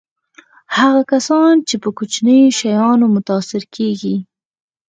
هغه کسان چې په کوچنیو شیانو متأثره کېږي.